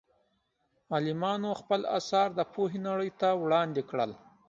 عالمانو خپل اثار د پوهې نړۍ ته وړاندې کړل.